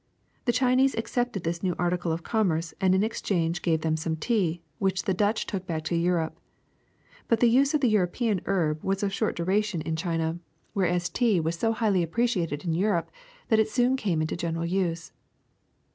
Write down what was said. The Chinese accepted this new article of com merce and in exchange gave them some tea, which the Dutch took back to Europe. But the use of the Euro pean herb was of short duration in China, whereas 190 THE SECRET OF EVERYDAY THINGS tea was so highly appreciated in Europe that it soon came into general use.